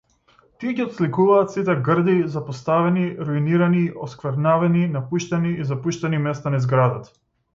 Тие ги отсликуваат сите грди, запоставени, руинирани, осквернавени, напуштени и запуштени места низ градот.